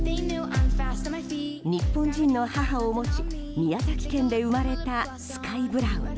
日本人の母を持ち宮崎県で生まれたスカイ・ブラウン。